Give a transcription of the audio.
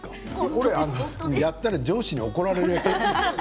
これはやったら上司に怒られるやつ。